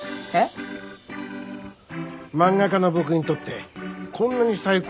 漫画家の僕にとってこんなに最高な環境はないよ。